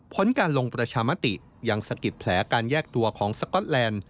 ผลการลงประชามติยังสะกิดแผลการแยกตัวของสก๊อตแลนด์